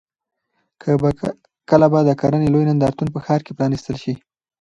کله به د کرنې لوی نندارتون په ښار کې پرانیستل شي؟